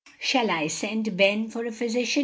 "Shall I send Ben for a physician?"